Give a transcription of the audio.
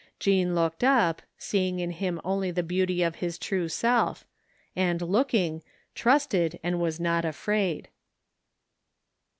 Jean looked up, seeing in him only the beauty of his true self ; and looking, trusted, and was not afraid.